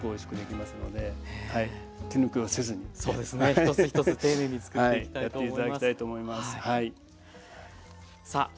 一つ一つ丁寧につくっていきたいと思います。